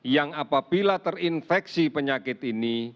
yang apabila terinfeksi penyakit ini